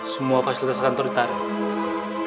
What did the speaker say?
semua fasilitas kantor ditarik